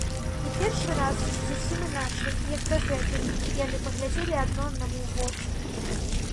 І першы раз, зусім іначай, як дагэтуль, яны паглядзелі адно аднаму ў вочы.